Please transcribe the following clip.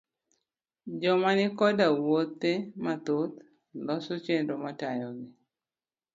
Joma ni koda wuothe mathoth, loso chenro matayogi